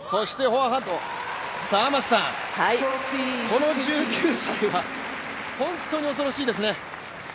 この１９歳は、本当に恐ろしいですね